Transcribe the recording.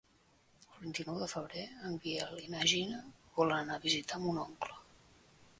El vint-i-nou de febrer en Biel i na Gina volen anar a visitar mon oncle.